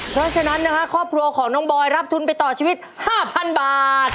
เพราะฉะนั้นนะฮะครอบครัวของน้องบอยรับทุนไปต่อชีวิต๕๐๐๐บาท